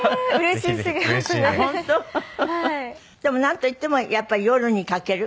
でもなんといってもやっぱり『夜に駆ける』？